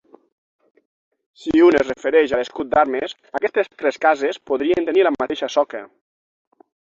Si un es refereix a l'escut d'armes, aquestes tres cases podrien tenir la mateixa soca.